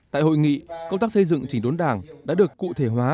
tại hội nghị công tác xây dựng chỉnh đốn đảng đã được cụ thể hóa